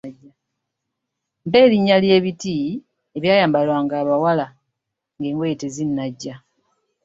Mpa erinnya ly'ebiti ebyayambalwanga abawala ng'engoye tezinnajja.